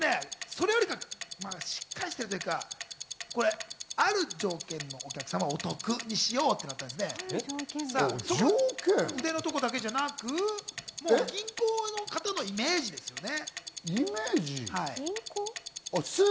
それよりしっかりしてるというか、ある条件のお客様をお得にしようと、腕のところだけじゃなく、銀行の方のイメージですね。